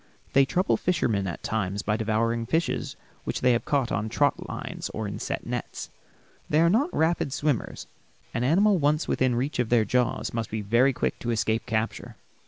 They trouble fishermen at times by devouring fishes which they have caught on trot lines or in set nets. They are not rapid swimmers. An animal once within reach of their jaws must be very quick to escape capture.